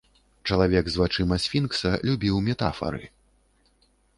Чалавек з вачыма сфінкса любіў метафары.